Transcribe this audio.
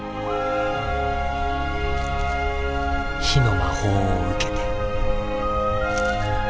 火の魔法を受けて。